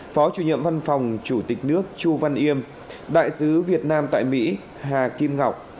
phó chủ nhiệm văn phòng chủ tịch nước chu văn yêm đại sứ việt nam tại mỹ hà kim ngọc